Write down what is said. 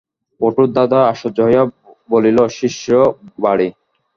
পটুর দাদা আশ্চর্য হইয়া বলিল, শিষ্য-বাড়ি?